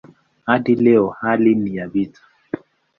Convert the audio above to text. Hadi leo hali ni ya vita.